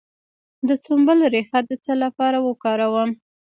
د سنبل ریښه د څه لپاره وکاروم؟